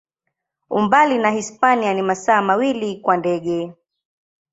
Umbali na Hispania ni masaa mawili kwa ndege.